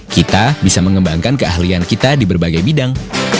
kita bisa mengembangkan keahlian kita di berbagai bidang